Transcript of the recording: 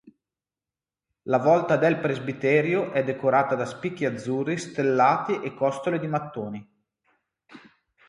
La volta del presbiterio è decorata da spicchi azzurri stellati e costole di mattoni.